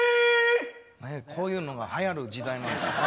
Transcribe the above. こういうのがはやる時代なんですね